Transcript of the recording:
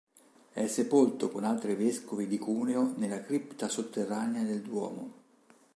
È sepolto con altri vescovi di Cuneo nella cripta sotterranea del duomo.